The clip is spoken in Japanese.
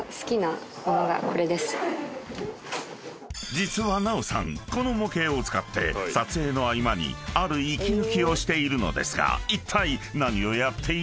［実は奈緒さんこの模型を使って撮影の合間にある息抜きをしているのですがいったい何をやっているのでしょうか？］